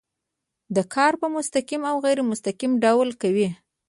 دا کار په مستقیم او غیر مستقیم ډول کوي.